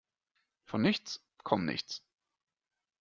Von nichts komm nichts.